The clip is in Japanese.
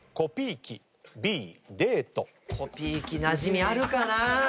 コピー機なじみあるかな？